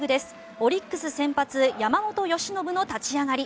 オリックス先発、山本由伸の立ち上がり。